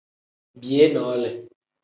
Biyee noole.